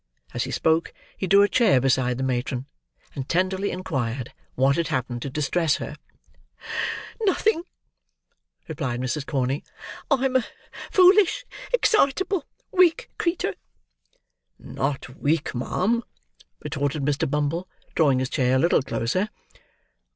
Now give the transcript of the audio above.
As he spoke, he drew a chair beside the matron, and tenderly inquired what had happened to distress her. "Nothing," replied Mrs. Corney. "I am a foolish, excitable, weak creetur." "Not weak, ma'am," retorted Mr. Bumble, drawing his chair a little closer.